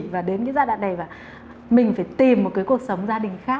và đến cái gia đình này mình phải tìm một cuộc sống gia đình khác